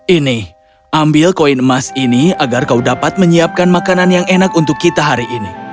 ini ambil koin emas ini agar kau dapat menyiapkan makanan yang enak untuk kita hari ini